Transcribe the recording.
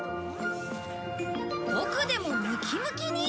ボクでもムキムキに！